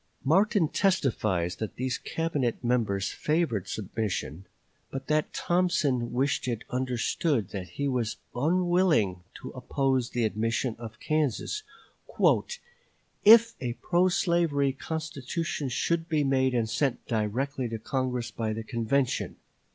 Martin testifies that these Cabinet members favored submission, but that Thompson wished it understood that he was unwilling to oppose the admission of Kansas "if a pro slavery constitution should be made and sent directly to Congress by the convention."